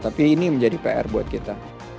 tapi ini menjadi pr buat kita